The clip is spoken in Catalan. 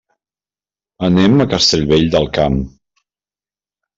Anem a Castellvell del Camp.